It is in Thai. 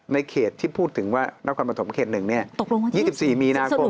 ในเขตที่พูดถึงว่านักการประสงค์เขตหนึ่ง๒๔มีนาคม